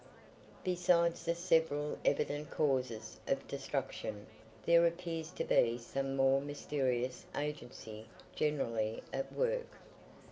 Besides the several evident causes of destruction, there appears to be some more mysterious agency generally at work.